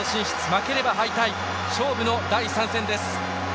負ければ敗退、勝負の第３戦です。